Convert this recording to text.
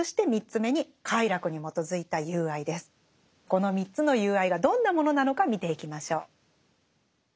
この３つの友愛がどんなものなのか見ていきましょう。